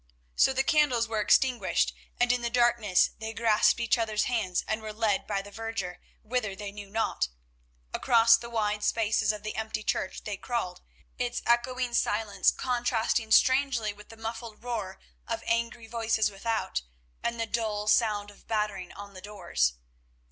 So the candles were extinguished, and in the darkness they grasped each other's hands and were led by the verger whither they knew not. Across the wide spaces of the empty church they crawled, its echoing silence contrasting strangely with the muffled roar of angry voices without and the dull sound of battering on the doors.